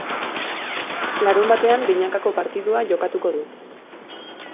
Larunbatean binakako partida jokatuko du.